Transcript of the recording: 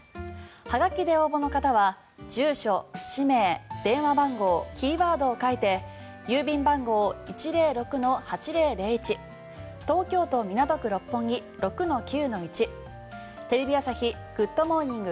はがきで応募の方は住所、氏名、電話番号キーワードを書いて郵便番号１０６−８００１東京都港区六本木６−９−１テレビ朝日「グッド！モーニング」